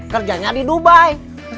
kerjanya di dubai